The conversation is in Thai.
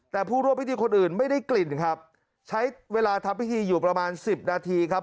แต่ผู้ร่วมพิธีคนอื่นไม่ได้กลิ่นครับใช้เวลาทำพิธีอยู่ประมาณสิบนาทีครับ